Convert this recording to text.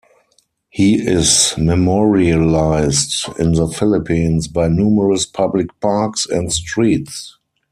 He is memorialized in the Philippines by numerous public parks and streets.